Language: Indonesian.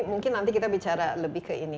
mungkin nanti kita bicara lebih ke ini